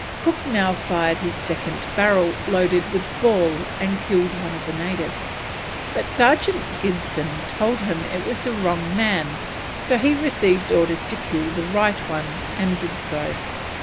Cook now fired his second barrel loaded with ball and killed one of the natives, but Sergeant Gibson told him it was the wrong man, so he received orders to kill the right one, and did so.